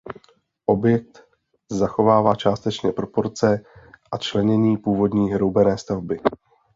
Objekt zachovává částečně proporce a členění původní roubené stavby.